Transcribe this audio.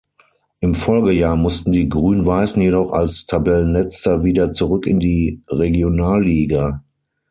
Im Folgejahr mussten die Grün-Weißen jedoch als Tabellenletzter wieder zurück in die Regionalliga.